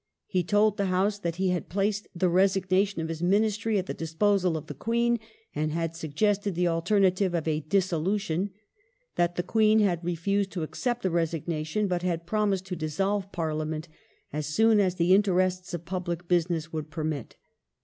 He told the House that he had placed the resignation of his Ministry at the disposal of the Queen, and had suggested the alternative of a dissolution, that the Queen had refused to accept the resignation, but had promised to dissolve Parliament as soon as the interests of public business would permit.